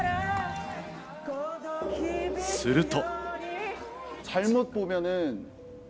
すると。